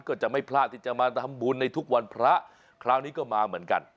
ก็จะไม่พลาดที่จะมาทำบุญในทุกวันพระคราวนี้ก็มาเหมือนกัน